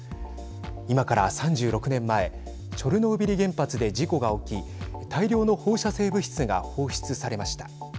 今から３６年前チョルノービリ原発で事故が起き大量の放射性物質が放出されました。